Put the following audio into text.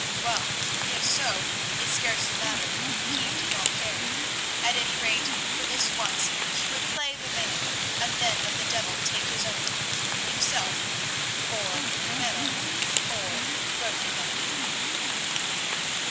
Well, if so, it scarcely mattered; he did not care. At any rate, for this once he would play the man and then let the devil take his own; himself, or Ramiro, or both of them.